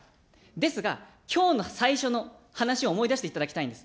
ですが、きょうの最初の話を思い出していただきたいんです。